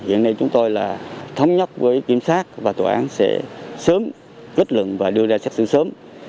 hiện nay chúng tôi là thống nhất với kiểm soát và tòa án sẽ sớm kết lượng và đưa ra xác xử sớm